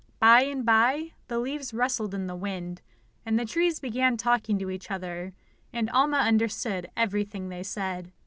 By and by the leaves rustled in the wind, and the trees began talking to each other, and Alma understood everything they said.